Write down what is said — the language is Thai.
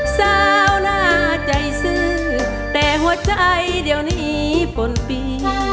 เซาหน้าใจซื้อแต่หัวใจเดี๋ยวนี้ฝนปี